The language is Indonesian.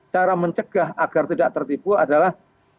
cara mencegah agar tidak tertipu adalah